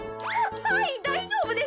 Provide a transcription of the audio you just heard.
はいだいじょうぶです。